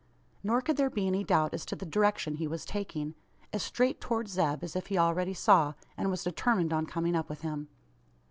Nor could there be any doubt as to the direction he was taking as straight towards Zeb as if he already saw, and was determined on coming up with him!